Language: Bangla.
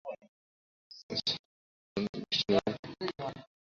মিস্টার নন্দীর দৃষ্টান্তে মিষ্ট কথার আমদানি এখনই শুরু হয়েছে।